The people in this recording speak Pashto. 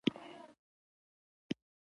پر یوه دروازه یې لیکلي وو: د کره کتنې برخې ریاست.